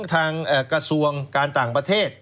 กระทรวงการต่างประเทศ